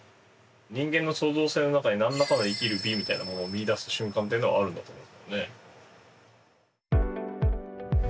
人間の創造性の中に何らかの「生きる美」みたいなものを見いだす瞬間っていうのはあるんだと思う。